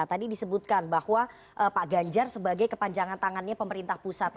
tadi disebutkan bahwa pak ganjar sebagai kepanjangan tangannya pemerintah pusat